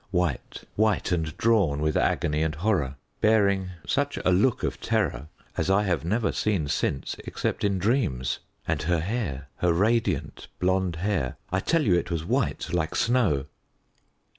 White, white and drawn with agony and horror, bearing such a look of terror as I have never seen since except in dreams. And her hair, her radiant blonde hair, I tell you it was white like snow.